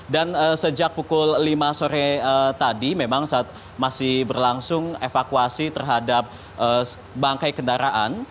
dan sejak pukul lima sore tadi memang masih berlangsung evakuasi terhadap bangkai kendaraan